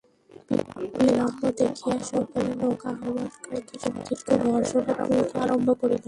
বিলম্ব দেখিয়া সকলে নৌকা-আহ্বানকারীকে সুদীর্ঘ ভর্ৎসনা করিতে আরম্ভ করিল।